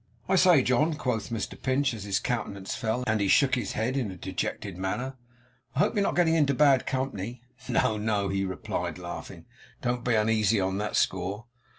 'I say, John,' quoth Mr Pinch, as his countenance fell, and he shook his head in a dejected manner. 'I hope you are not getting into bad company.' 'No, no,' he replied laughing. 'Don't be uneasy on that score.